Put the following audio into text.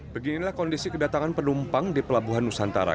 beginilah kondisi kedatangan penumpang di pelabuhan nusantara